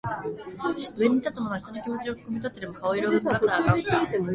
上に立つ者は下の者の気持ちは汲んでも顔色は窺ったらあかん